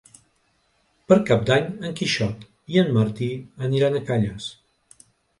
Per Cap d'Any en Quixot i en Martí aniran a Calles.